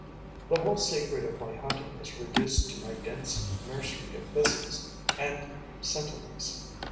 The whole secret of my hunting is reduced to my dense nursery of thistles and centauries.